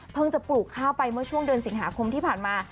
จะปลูกข้าวไปเมื่อช่วงเดือนสิงหาคมที่ผ่านมา